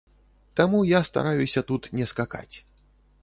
Таму я стараюся тут не скакаць.